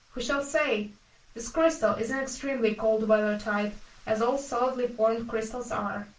Who shall say? This crystal is an extremely cold weather type, as all solidly formed crystals are.